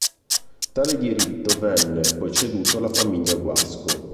Tale diritto venne, poi ceduto alla famiglia Guasco.